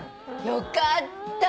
よかった！